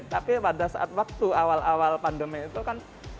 tapi pada saat waktu awal awal pandemi itu kan